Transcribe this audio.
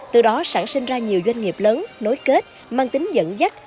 từ đó sản sinh ra nhiều doanh nghiệp lớn nối kết mang tính dẫn dắt